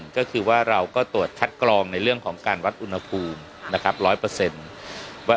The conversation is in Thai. ก็คือว่าเราก็ตรวจคัดกรองในเรื่องของการวัดอุณหภูมินะครับ๑๐๐ว่า